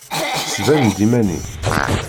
Sban-d iman-ik!